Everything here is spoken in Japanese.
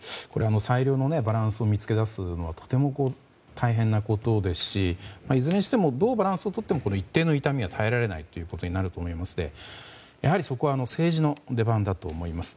最良のバランスを見つけ出すのはとても大変なことですしいずれにしてもどうバランスをとっても一定の痛みには耐えられないということになると思いますのでやはり、そこは政治の出番だと思います。